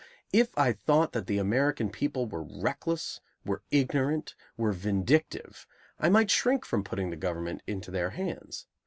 If I thought that the American people were reckless, were ignorant, were vindictive, I might shrink from putting the government into their hands.